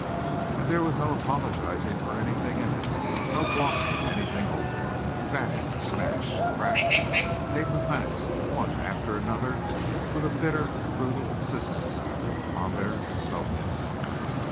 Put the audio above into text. And there was no apologizing for anything in it, no glossing anything over. Bang! Smash! Crack! came the facts one after another, with a bitter, brutal insistence on their so ness.